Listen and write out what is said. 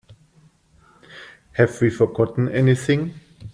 Have we forgotten anything?